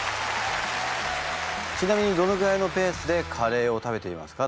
ちなみにどのぐらいのペースでカレーを食べていますか？